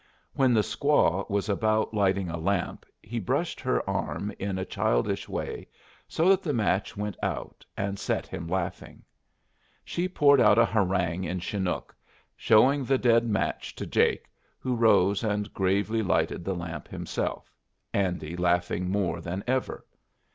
When the squaw was about lighting a lamp he brushed her arm in a childish way so that the match went out, and set him laughing. She poured out a harangue in Chinook, showing the dead match to Jake, who rose and gravely lighted the lamp himself, Andy laughing more than ever.